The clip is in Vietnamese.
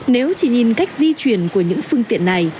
nếu chỉ nhìn cách di chuyển của những phương tiện này